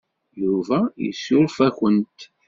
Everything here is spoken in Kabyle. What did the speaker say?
Yuba yessuref-awent.